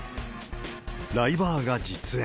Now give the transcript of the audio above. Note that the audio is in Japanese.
ライバーが実演。